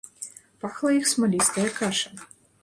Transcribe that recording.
Пахла іх смалістая каша.